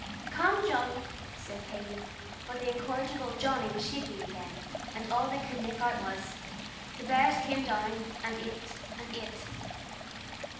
"Come, Johnnie," said Katy, but the incorrigible Johnnie was shaking again, and all they could make out was "The bears came down, and ate and ate."